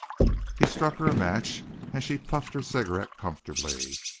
He struck her a match and she puffed her cigarette comfortably.